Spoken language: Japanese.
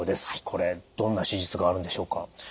これどんな手術があるんでしょうか？